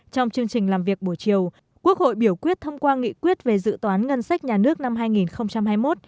trong chương trình làm việc buổi chiều quốc hội biểu quyết thông qua nghị quyết về dự toán ngân sách nhà nước năm hai nghìn hai mươi một